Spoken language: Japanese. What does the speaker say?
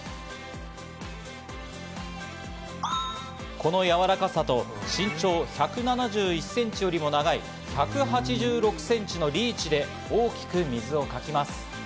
このやわらかさと身長１７１ｃｍよりも長い１８６ｃｍのリーチで大きく水をかきます。